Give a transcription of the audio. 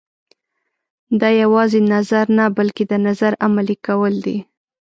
دا یوازې نظر نه بلکې د نظر عملي کول دي.